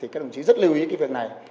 các đồng chí rất lưu ý việc này